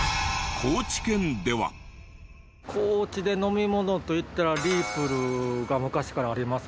高知で飲み物といったらリープルが昔からありますね。